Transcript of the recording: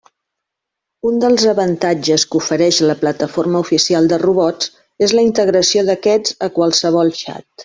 Un dels avantatges que ofereix la plataforma oficial de robots és la integració d'aquests a qualsevol xat.